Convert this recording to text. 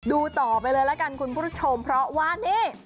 ดูต่อไปเลยละกันคุณผู้ชมเพราะว่านี่